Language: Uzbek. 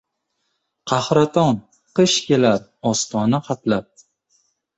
Qahraton qish kelar ostona hatlab.